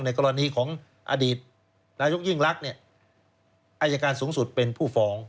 กรณีของอดีตนายกยิ่งรักเนี่ยอายการสูงสุดเป็นผู้ฟ้อง